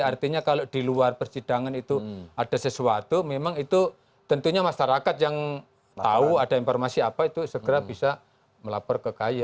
artinya kalau di luar persidangan itu ada sesuatu memang itu tentunya masyarakat yang tahu ada informasi apa itu segera bisa melapor ke kay